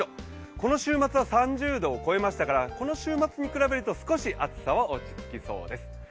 この週末は３０度を超えましたからこの週末と比べますと少し暑さは落ち着きそうです。